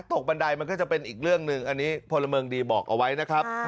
บันไดมันก็จะเป็นอีกเรื่องหนึ่งอันนี้พลเมืองดีบอกเอาไว้นะครับ